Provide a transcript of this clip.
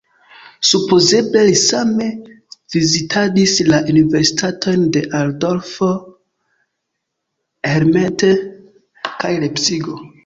Supozeble li same vizitadis la Universitatojn de Altdorf, Helmstedt kaj Lepsiko.